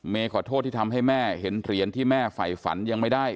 ขอโทษที่ทำให้แม่เห็นเหรียญที่แม่ไฝฝันยังไม่ได้